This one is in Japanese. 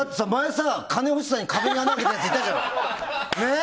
金欲しさに壁に穴開けたやついたじゃん。